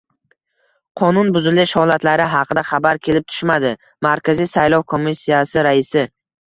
Qonunbuzilish holatlari haqida xabar kelib tushmadi — Markaziy saylov komissiyasi raisi